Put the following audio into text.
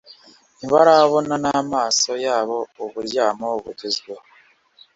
ntibarabona n’amaso yabo uburyamo bugezweho